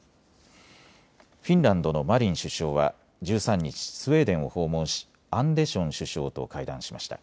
フィンランドのマリン首相は１３日、スウェーデンを訪問しアンデション首相と会談しました。